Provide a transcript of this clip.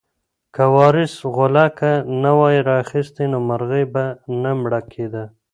که وارث غولکه نه وای راخیستې نو مرغۍ به نه مړه کېده.